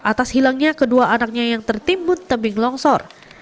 atas hilangnya kedua anaknya yang tertimbun tebing longsor